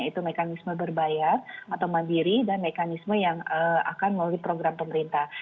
yaitu mekanisme berbayar atau mandiri dan mekanisme yang akan melalui program pemerintah